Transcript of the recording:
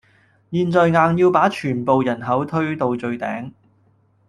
現在硬要把全部人口推到最頂